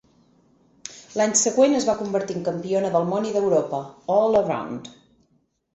L'any següent es va convertir en campiona de món i d'Europa "All-Around".